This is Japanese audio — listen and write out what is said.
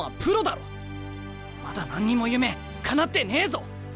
まだ何にも夢かなってねえぞ！